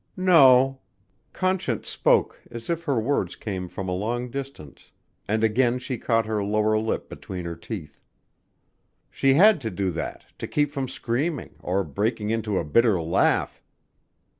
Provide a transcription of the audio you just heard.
"No," Conscience spoke as if her words came from a long distance and again she caught her lower lip between her teeth. She had to do that to keep from screaming or breaking into a bitter laugh.